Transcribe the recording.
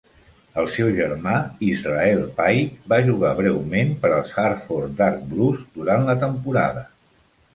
El seu germà, Israel Pike, va jugar breument per als Hartford Dark Blues durant la temporada.